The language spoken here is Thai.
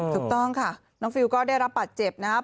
ถูกต้องค่ะน้องฟิลก็ได้รับบาดเจ็บนะครับ